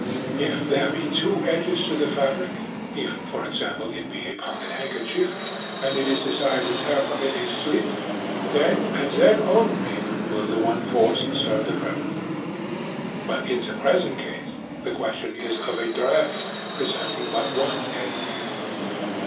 If there be two edges to the fabric—if, for example, it be a pocket handkerchief, and it is desired to tear from it a slip, then, and then only, will the one force serve the purpose. But in the present case the question is of a dress, presenting but one edge.